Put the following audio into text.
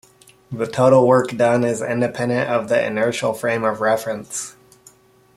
The total work done is independent of the inertial frame of reference.